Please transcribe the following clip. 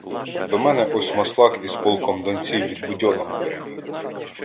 До мене ось Маслак із полком донців від Будьонного перебіг.